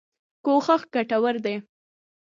کوښښ ګټور دی.